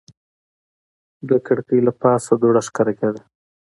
د کړکۍ له پاسه دوړه ښکاره کېده.